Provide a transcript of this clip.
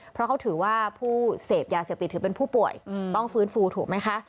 เพราะเขาถือว่าผู้เสพยาเสพติดถือเป็นผู้ป่วยต้องฟื้นฟูถูกไหมคะ